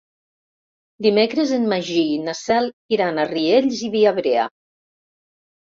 Dimecres en Magí i na Cel iran a Riells i Viabrea.